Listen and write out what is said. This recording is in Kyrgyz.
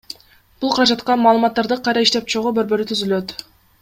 Бул каражатка Маалыматтарды кайра иштеп чыгуу борбору түзүлөт.